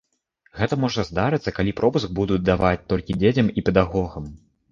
Гэта можа здарыцца, калі пропуск будуць даваць толькі дзецям і педагогам.